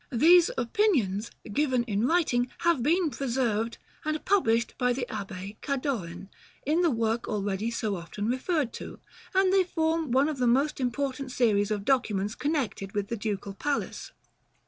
These opinions, given in writing, have been preserved, and published by the Abbé Cadorin, in the work already so often referred to; and they form one of the most important series of documents connected with the Ducal Palace.